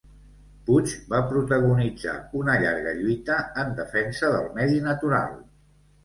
Puig va protagonitzar una llarga lluita en defensa del medi natural.